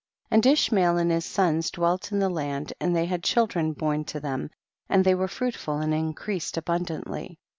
21. And Ishmael and his sons dwelt in the land, and they had chil dren born to them, and they were fruitful and increased abundantly.